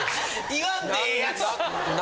言わんでええやつ！